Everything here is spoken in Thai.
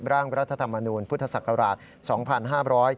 ร่างรัฐธรรมนูญพุทธศักราช๒๕๗